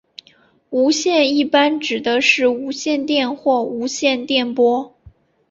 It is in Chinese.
无线一般指的是无线电或无线电波。